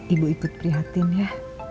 ibu ikut prihatin ya